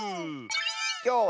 きょうは。